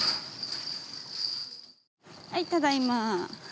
はいただいま。